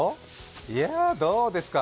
いやぁ、どうですか。